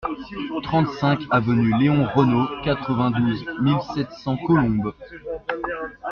trente-cinq avenue Léon Renault, quatre-vingt-douze mille sept cents Colombes